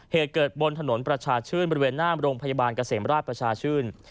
เหตุเกิดบนถนนประชาชื่นบริเวณหน้าโรงพยาบาลเกษมราชประชาชื่น